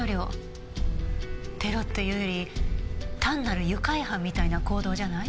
テロというより単なる愉快犯みたいな行動じゃない？